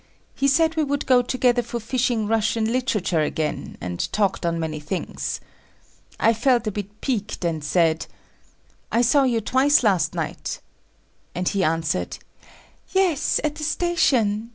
He said we would go together for fishing Russian literature again, and talked on many things. I felt a bit piqued, and said, "I saw you twice last night," and he answered, "Yes, at the station.